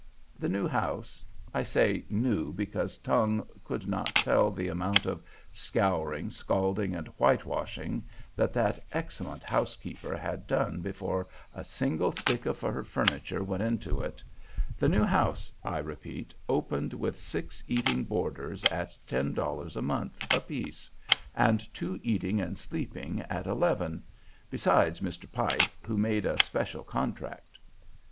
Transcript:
The new house—I say new because tongue could not tell the amount of scouring, scalding, and whitewashing that that excellent housekeeper had done before a single stick of her furniture went into it—the new house, I repeat, opened with six eating boarders at ten dollars a month apiece, and two eating and sleeping at eleven, besides Mr. Pike, who made a special contract.